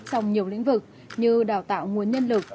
trong nhiều lĩnh vực như đào tạo nguồn nhân lực